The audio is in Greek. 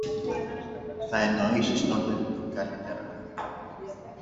θα εννοήσεις τότε καλύτερα.